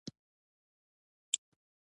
لاسونه زموږ پاملرنه غواړي